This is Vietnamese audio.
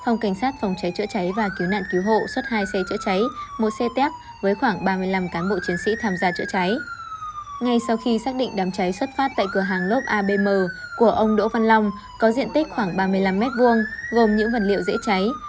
ngay sau khi xác định đám cháy xuất phát tại cửa hàng lốp abm của ông đỗ văn long có diện tích khoảng ba mươi năm m hai gồm những vật liệu dễ cháy